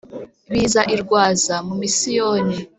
Biza i Rwaza mu misiyoni